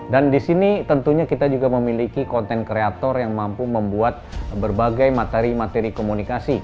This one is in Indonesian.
dan di sini tentunya kita juga memiliki konten kreator yang mampu membuat berbagai materi materi komunikasi